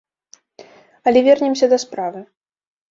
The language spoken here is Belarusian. Але вернемся да справы.